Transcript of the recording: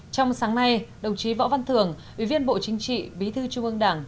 trong sáng nay đồng chí võ văn thường ủy viên bộ chính trị bí thư trung ương đảng